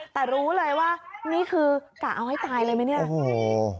แต่รู้เลยว่านี่คือกะเอาให้ตายเลยไหม